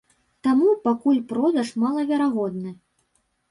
Таму пакуль продаж малаверагодны.